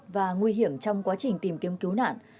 và nguy hiểm trong quá trình tìm kiếm cứu nạn